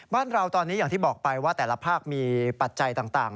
บ้านเราตอนนี้อย่างที่บอกไปว่าแต่ละภาคมีปัจจัยต่าง